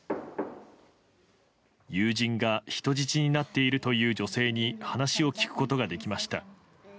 友人が人質になっているという女性に話を聞くことができました。